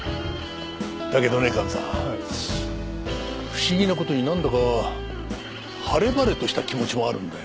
だけどねカメさん不思議な事になんだか晴れ晴れとした気持ちもあるんだよ。